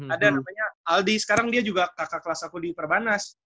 ada namanya aldi sekarang dia juga kakak kelas aku di perbanas